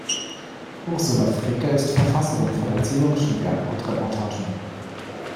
Ursula Fricker ist Verfasserin von erzählerischen Werken und Reportagen.